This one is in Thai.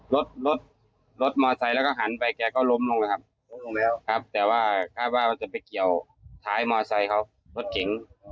รถมอเตอร์ไซค์แล้วหันไปก็ล้มลงแล้วครับแต่ว่าจะไปเกี่ยวท้ายมอเตอร์ไซค์เขารถกิ๋ง